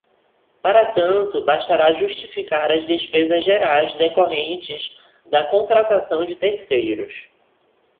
Para tanto, bastará justificar as despesas gerais decorrentes da contratação de terceiros.